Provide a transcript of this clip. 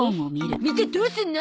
見てどうすんの？